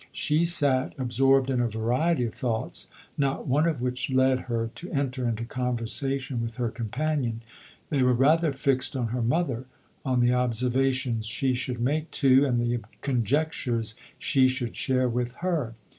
She sat ab sorbed in a variety of thoughts, not one of which led her to enter into conversation with her companion ; they were rather fixed on her mother, on the observations she should make to, and the conjectures she should share with, her.